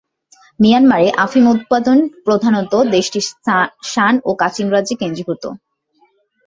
মিয়ানমারে আফিম উৎপাদন প্রধানত দেশটি শান ও কাচিন রাজ্যে কেন্দ্রীভূত।